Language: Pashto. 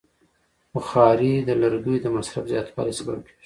بخاري د لرګیو د مصرف زیاتوالی سبب کېږي.